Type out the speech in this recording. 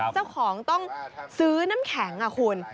เจ้าของต้องซื้อน้ำแข็งคุณ